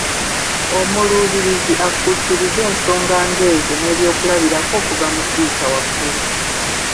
Omuluubirizi akkuutirize ensonga nga ezo n’ebyokulabirako okuva mu Kiyitawaggulu